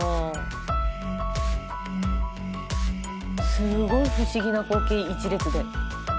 すごい不思議な光景１列で。